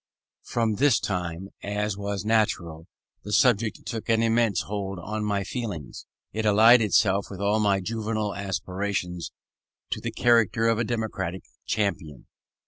From this time, as was natural, the subject took an immense hold of my feelings. It allied itself with all my juvenile aspirations to the character of a democratic champion.